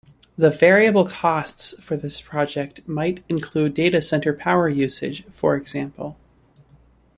The "variable costs" for this project might include data centre power usage, for example.